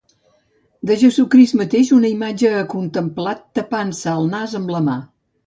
De Jesucrist mateix, una imatge ha contemplat, tapant-se el nas amb la mà.